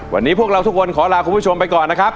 วันนี้พวกเราทุกคนขอลาคุณผู้ชมไปก่อนนะครับ